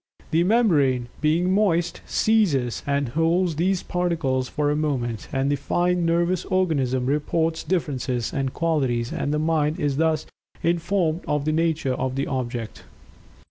The membrane, being moist, seizes and holds these particles for a moment, and the fine nervous organism reports differences and qualities and the Mind is thus informed of the nature of the object.